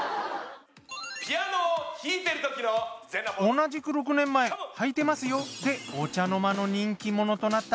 同じく６年前はいてますよでお茶の間の人気者となった